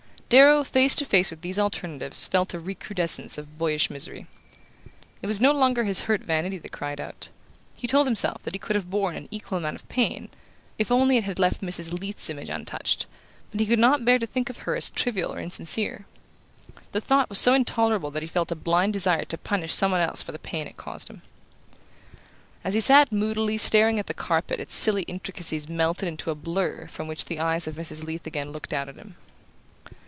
Darrow, face to face with these alternatives, felt a recrudescence of boyish misery. It was no longer his hurt vanity that cried out. He told himself that he could have borne an equal amount of pain, if only it had left Mrs. Leath's image untouched; but he could not bear to think of her as trivial or insincere. The thought was so intolerable that he felt a blind desire to punish some one else for the pain it caused him. As he sat moodily staring at the carpet its silly intricacies melted into a blur from which the eyes of Mrs. Leath again looked out at him.